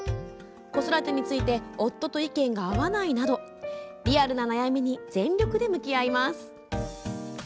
「子育てについて夫と意見が合わない」などリアルな悩みに全力で向き合います。